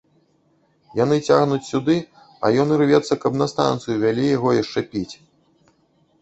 Яны цягнуць сюды, а ён ірвецца, каб на станцыю вялі яго яшчэ піць.